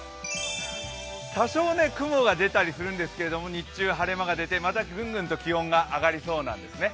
多少雲が出たりするんですけど日中は晴れ間が出てきてまたぐんぐんと気温が上がりそうなんですね。